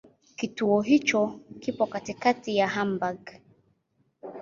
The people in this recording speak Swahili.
Kituo hicho kipo katikati ya Hamburg.